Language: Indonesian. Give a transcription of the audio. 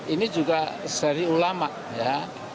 ini juga dari ulama ya